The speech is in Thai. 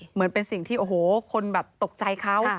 เหมือนเป็นสิ่งที่โอ้โหคนแบบตกใจเขา